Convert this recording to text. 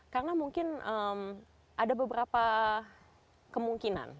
karena mungkin ada beberapa kemungkinan